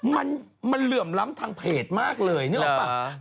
มันเหลื่อมล้ำทางเพจมากเลยนึกออกป่ะ